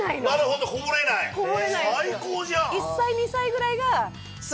最高じゃん！